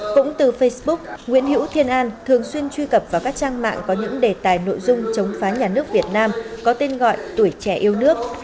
cũng từ facebook nguyễn hữu thiên an thường xuyên truy cập vào các trang mạng có những đề tài nội dung chống phá nhà nước việt nam có tên gọi tuổi trẻ yêu nước